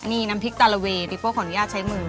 นี่น้ำผิกตาลวีนี่ผูกผ่อนที่ยากใช้มือ